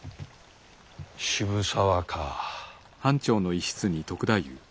渋沢か。